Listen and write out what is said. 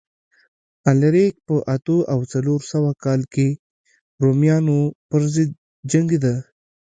الاریک په اتو او څلور سوه کال کې د رومیانو پرضد جنګېده